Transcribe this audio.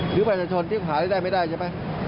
หรือไปสะชนที่หาได้ไม่ได้ใช่ไหม